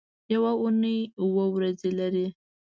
یوه اونۍ اووه ورځې لري